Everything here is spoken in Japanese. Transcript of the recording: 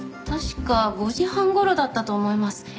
確か５時半頃だったと思います。